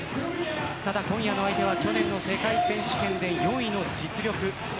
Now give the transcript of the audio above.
ただ、今夜の相手は去年の世界選手権で４位の実力